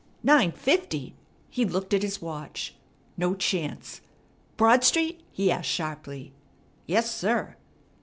"Nine fifty!" He looked at his watch. No chance! "Broad Street?" he asked sharply. "Yes, sir."